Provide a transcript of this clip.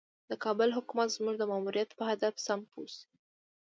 د کابل حکومت زموږ د ماموریت په هدف سم پوه شي.